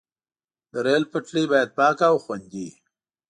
د ریل پټلۍ باید پاکه او خوندي وي.